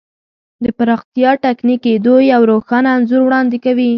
د پراختیا ټکني کېدو یو روښانه انځور وړاندې کوي.